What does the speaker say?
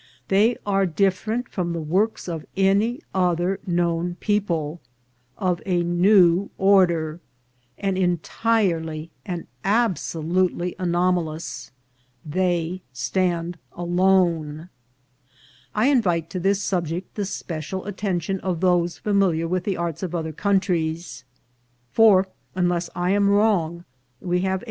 They are different from the works of any other known people, of a new order, and entirely and absolutely anomalous : they stand alone. I invite to this subject the special attention of those familiar with the arts of other countries ; for, unless I am wrong, we have a.